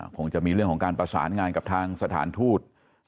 คงจะมีเรื่องของการประสานงานกับทางสถานทูต